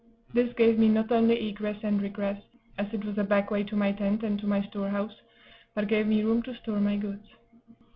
This gave me not only egress and regress, as it was a back way to my tent and to my storehouse, but gave me room to store my goods.